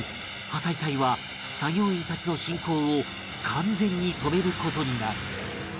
破砕帯は作業員たちの進行を完全に止める事になる